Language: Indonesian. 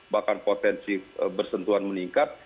bahkan potensi bersentuhan meningkat